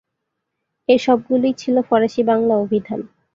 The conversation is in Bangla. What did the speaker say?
এর সবগুলিই ছিল ফরাসি-বাংলা অভিধান।